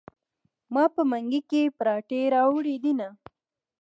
ما په منګي کې پراټې راوړي دینه.